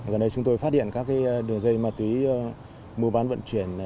giờ này chúng tôi phát hiện các đường dây ma túy mua bán vận chuyển